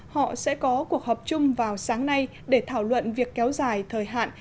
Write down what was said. họ sẽ có cuộc họp chung vào sáng nay để thảo luận việc kéo dài thời hạn